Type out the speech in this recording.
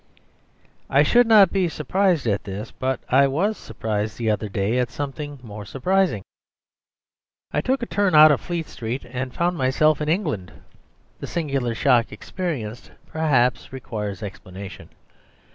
I should not be surprised at this; but I was surprised the other day at something more surprising. I took a turn out of Fleet Street and found myself in England. ..... The singular shock experienced perhaps requires explanation.